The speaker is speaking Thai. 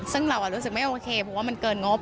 ซึ่งเรารู้สึกไม่โอเคเพราะว่ามันเกินงบ